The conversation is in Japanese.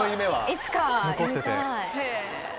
いつかやりたい！